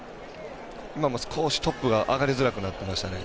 今も少しトップが上がりづらくなってましたね。